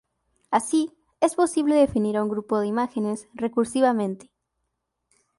Así, es posible definir a un grupo de imágenes recursivamente.